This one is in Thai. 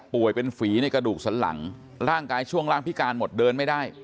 เป็นฝีในกระดูกสันหลังร่างกายช่วงล่างพิการหมดเดินไม่ได้